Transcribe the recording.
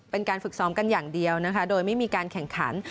เป็นการฝึกซ้อมกันอย่างเดียวนะคะโดยไม่มีการแข่งขัน